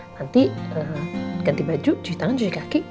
nanti ganti baju cuci tangan cuci kaki